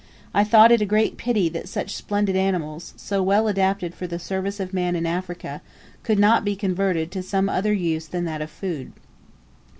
I thought it a great pity that such splendid animals, so well adapted for the service of man in Africa, could not be converted to some other use than that of food.